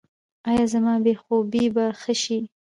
ایا زما بې خوبي به ښه شي؟